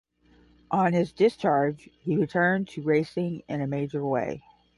On his discharge, he returned to racing in a major way.